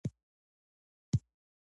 یو ښه مورخ باید حقایق بیان کړي.